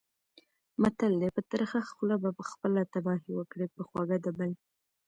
متل دی: په ترخه خوله به خپله تباهي وکړې، په خوږه د بل.